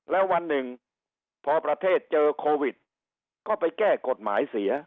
แล้ววันหนึ่งพอประเทศเจอโควิดก็ไปแก้กฎหมายเสีย